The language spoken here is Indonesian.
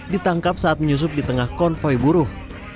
ditangkap saat menyusup di tengah konflik